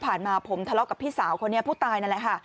มาผมทะเลาะกับพี่สาวคนนี้ผู้ตายนั่นแหละค่ะ